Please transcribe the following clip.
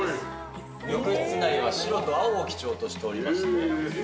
浴室内は白と青を基調としておりまして。